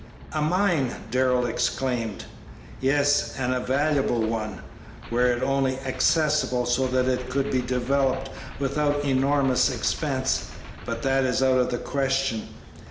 "A mine!" Darrell exclaimed. "Yes, and a valuable one, were it only accessible so that it could be developed without enormous expense; but that is out of the question."